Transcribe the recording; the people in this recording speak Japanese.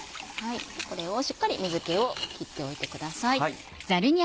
これをしっかり水気を切っておいてください。